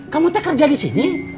kamu kerja di sini